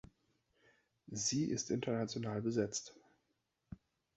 Sie ist international besetzt.